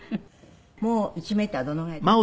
もう１メーターどのぐらいですって？